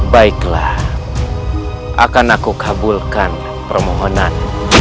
baiklah akan aku kabulkan permohonan